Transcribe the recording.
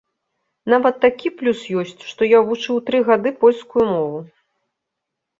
Нават такі плюс ёсць, што я вучыў тры гады польскую мову.